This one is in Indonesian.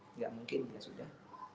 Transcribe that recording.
enggak mungkin sudah